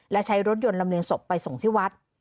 และใช้รถยนต์ลำเรียงศพไปส่งที่วัด